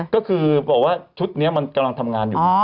ก็คือบอกว่าชุดนี้มันกำลังทำงานอยู่